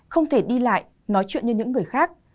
không thể đi lại nói chuyện như những người khác